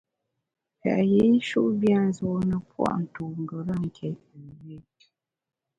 Pèt yinshut bia nzune pua’ ntu ngeram nké üré.